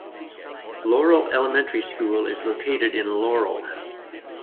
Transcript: Laurel Elementary School is located in Laurel.